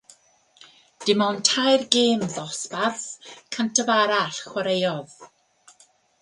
Dim ond tair gêm ddosbarth-cyntaf arall chwaraeodd.